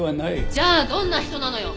じゃあどんな人なのよ！？